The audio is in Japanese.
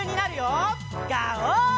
ガオー！